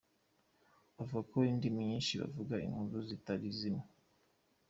Abavuga indimi nyinshi bavuga inkuru zitari zimwe.